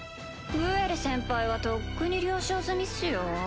グエル先輩はとっくに了承済みっすよ。